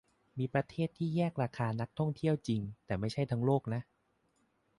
มีประเทศที่แยกราคานักท่องเที่ยวจริง แต่ไม่ใช่ทั้งโลกนะ